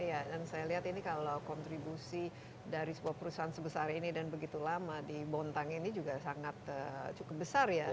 iya dan saya lihat ini kalau kontribusi dari sebuah perusahaan sebesar ini dan begitu lama di bontang ini juga sangat cukup besar ya